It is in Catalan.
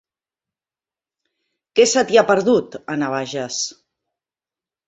Què se t'hi ha perdut, a Navaixes?